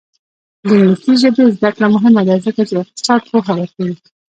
د انګلیسي ژبې زده کړه مهمه ده ځکه چې اقتصاد پوهه ورکوي.